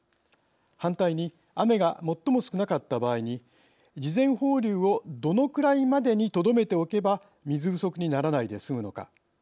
反対に雨が最も少なかった場合に事前放流をどのくらいまでにとどめておけば水不足にならないで済むのか。